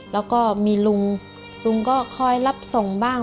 แล้วก็มีลุงลุงก็คอยรับส่งบ้าง